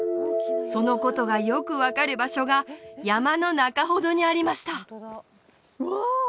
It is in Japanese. そのことがよく分かる場所が山の中ほどにありましたうわあ！